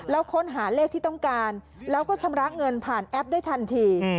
แล้วค้นหาเลขที่ต้องการแล้วก็ชำระเงินผ่านแอปได้ทันที